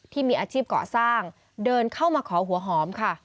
ที่มีอาชีพเกาะสร้างเดินเข้ามาขอหัวหอมค่ะ